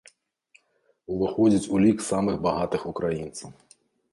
Уваходзіць у лік самых багатых украінцаў.